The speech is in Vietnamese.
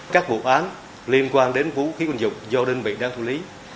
các vụ án liên quan đến vũ khí quân dục do đơn vị đang thu lý